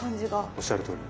おっしゃるとおり。